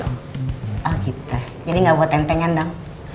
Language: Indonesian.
oh gitu jadi nggak buat tentengan dong